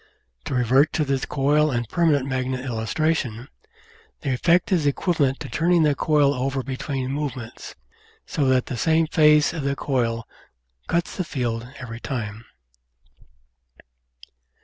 To revert to the coil and permanent magnet illustration, the effect is equivalent to turning the coil over be tween movements, so that the same face of the coil cuts the field every time.